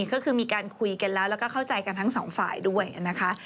ก็คือมีการคุยกันแล้วแล้วก็เข้าใจกันทั้งสองฝ่ายด้วยนะคะ